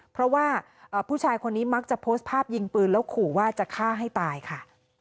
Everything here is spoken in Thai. เพราะว่าผู้ชายคนนี้มักจะโพสต์ภาพยิงปืนแล้วขู่ว่าจะฆ่าให้ตายค่ะ